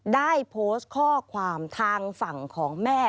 ได้โพสต์ข้อความทางฝั่งของแม่